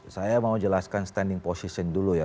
saya mau jelaskan standing position dulu ya